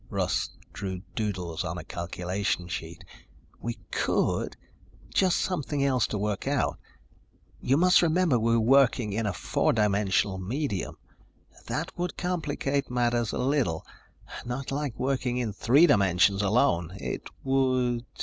Russ drew doodles on a calculation sheet. "We could. Just something else to work out. You must remember we're working in a four dimensional medium. That would complicate matters a little. Not like working in three dimensions alone. It would